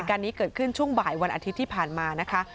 การนี้เกิดขึ้นช่วงบ่ายวันอาทิตย์ที่ผ่านมานะคะ